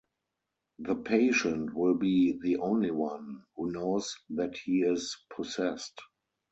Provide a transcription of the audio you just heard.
The patient will be the only one who knows that he is possessed.